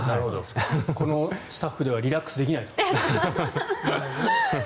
このスタッフではリラックスできないと。